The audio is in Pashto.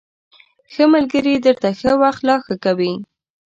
ښه ملگري درته ښه وخت لا ښه کوي